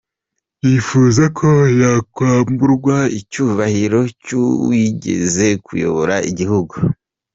Yifuza ko yakwamburwa icyubahiro cy’uwigeze kuyobora igihugu?